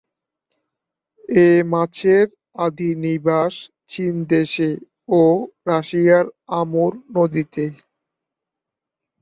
এ মাছের আদি নিবাস চীন দেশে ও রাশিয়ার আমুর নদীতে।